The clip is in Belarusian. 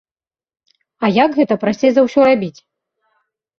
А як гэта прасцей за ўсё рабіць?